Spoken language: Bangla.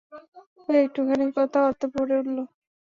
ঐ একটুখানি কথা অর্থে ভরে উঠল।